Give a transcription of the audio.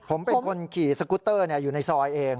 ผมเป็นคนขี่สกุตเตอร์อยู่ในซอยเอง